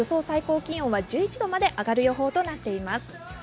最高気温は１１度まで上がる予報となっています。